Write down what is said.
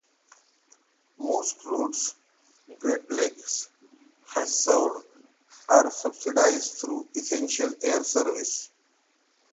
Most routes Great Lakes has served are subsidized through Essential Air Service.